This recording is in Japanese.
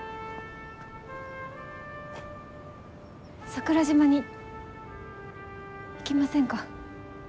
桜島に行きませんか？